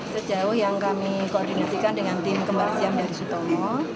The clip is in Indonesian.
sejauh yang kami koordinasikan dengan tim kembarjam dari sutomo